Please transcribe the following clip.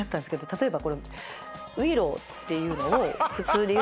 例えば。